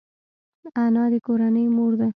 انا د کورنۍ مور ده